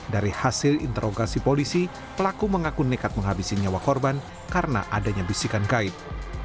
dari hasil interogasi polisi pelaku mengaku nekat menghabisi nyawa korban karena adanya bisikan kait